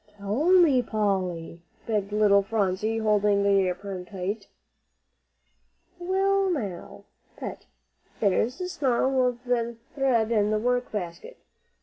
"Tell me, Polly," begged little Phronsie, holding the apron tight. "Well, now, Pet, there's a snarl of thread in the work basket.